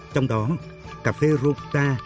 trong đó cà phê ruta